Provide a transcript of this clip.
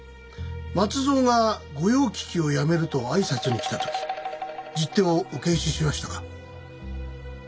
松蔵が御用聞きをやめると挨拶に来た時十手をお返ししましたか？